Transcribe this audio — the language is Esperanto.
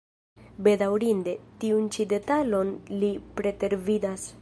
Bedaŭrinde, tiun ĉi detalon li pretervidas.